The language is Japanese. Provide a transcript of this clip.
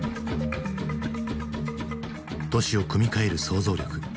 都市を組み替える想像力。